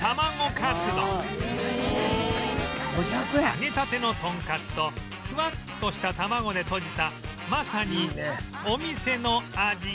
揚げたてのとんかつとふわっとした玉子でとじたまさにお店の味